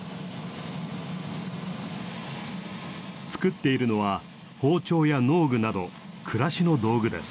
作っているのは包丁や農具など暮らしの道具です。